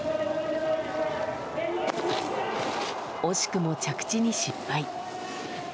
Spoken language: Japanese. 惜しくも着地に失敗。